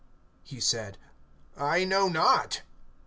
He said: I know not.